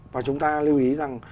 và chúng ta lưu ý rằng